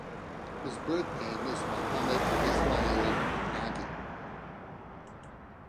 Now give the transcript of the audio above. His birth name is Mohamed Ismail Nagy.